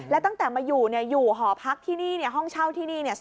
แล้วตั้งแต่มาอยู่อยู่หอพักที่นี่ห้องเช่าที่นี่เนี่ย